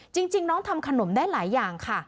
จริงน้องทำขนมได้หลายอย่างค่ะ